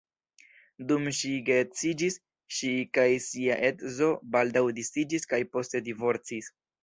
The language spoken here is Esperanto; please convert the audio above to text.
Dum ŝi geedziĝis, ŝi kaj sia edzo baldaŭ disiĝis kaj poste divorcis.